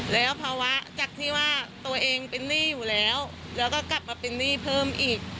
แล้วภาวะจากที่ว่าตัวเองเป็นหนี้อยู่แล้วแล้วก็กลับมาเป็นหนี้เพิ่มอีก